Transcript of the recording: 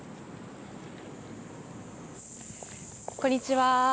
こんにちは。